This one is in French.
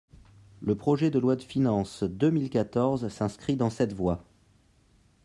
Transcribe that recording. Le projet de loi de finances deux mille quatorze s’inscrit dans cette voie.